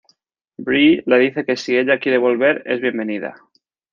Bree le dice que si ella quiere volver, es bienvenida.